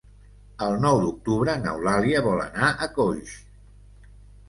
El nou d'octubre n'Eulàlia vol anar a Coix.